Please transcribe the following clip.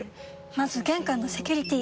まず玄関のセキュリティ！